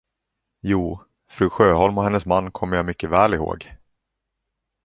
Jo, fru Sjöholm och hennes man kommer jag mycket väl ihåg.